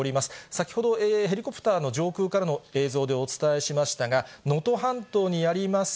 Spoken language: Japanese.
先ほどヘリコプターの上空からの映像でお伝えしましたが、能登半島にあります